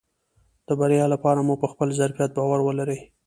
د بريا لپاره مو په خپل ظرفيت باور ولرئ .